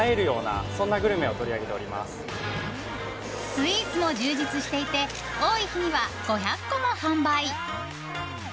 スイーツも充実していて多い日には５００個も販売。